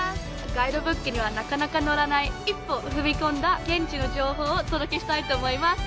ガイドブックにはなかなか載らない一歩踏み込んだ現地の情報をお届けしたいと思います。